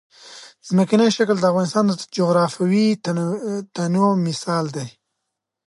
ځمکنی شکل د افغانستان د جغرافیوي تنوع مثال دی.